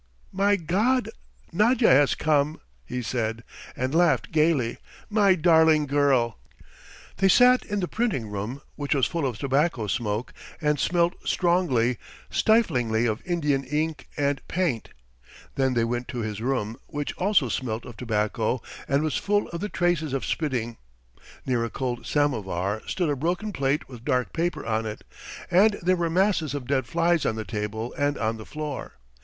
"My God, Nadya has come!" he said, and laughed gaily. "My darling girl!" They sat in the printing room, which was full of tobacco smoke, and smelt strongly, stiflingly of Indian ink and paint; then they went to his room, which also smelt of tobacco and was full of the traces of spitting; near a cold samovar stood a broken plate with dark paper on it, and there were masses of dead flies on the table and on the floor.